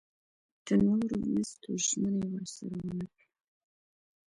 د نورو مرستو ژمنه یې ورسره ونه کړه.